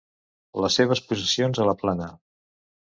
Les seves possessions a la plana.